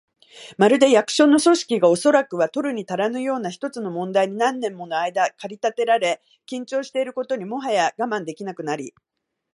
まるで、役所の組織が、おそらくは取るにたらぬような一つの問題に何年ものあいだ駆り立てられ、緊張していることにもはや我慢できなくなり、